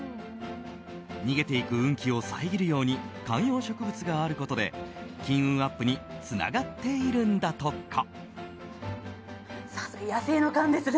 逃げていく運気を遮るように観葉植物があることで金運アップにつながっているんだとか。